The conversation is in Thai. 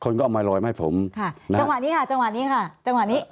ตั้งแต่เริ่มมีเรื่องแล้ว